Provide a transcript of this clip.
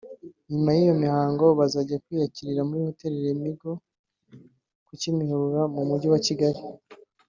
nyuma y’iyo mihango bajya kwiyakirira muri hoteli Lemigo ku Kimuhurura mu mujyi wa Kigali